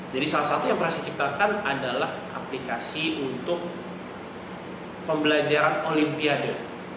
jadi salah satu yang pernah saya ciptakan adalah aplikasi untuk pembelajaran olimpiade